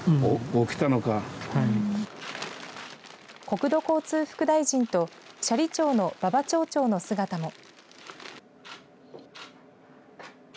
国土交通副大臣と斜里町の馬場町長の姿も。